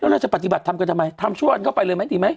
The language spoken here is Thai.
เราจะปฏิบัติทำกันทำไมทำชั่วกันเข้าไปเลยไหมดีไหม